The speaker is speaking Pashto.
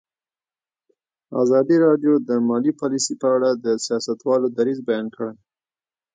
ازادي راډیو د مالي پالیسي په اړه د سیاستوالو دریځ بیان کړی.